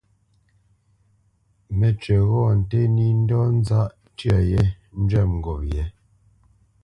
Mə́cywǐ ghɔ̂ nté nǐ ndɔ̌ nzáʼ tyə yé njwɛ̂p ngop yě.